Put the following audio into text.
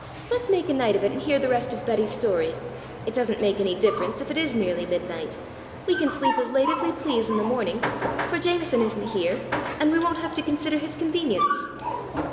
Let's make a night of it and hear the rest of Betty's story. It doesn't make any difference if it is nearly midnight. We can sleep as late as we please in the morning, for Jameson isn't here, and we won't have to consider his convenience."